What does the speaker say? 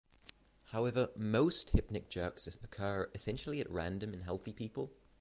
However, most hypnic jerks occur essentially at random in healthy people.